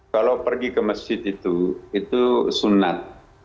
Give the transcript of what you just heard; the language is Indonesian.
kalau pergi ke masjid itu itu sunat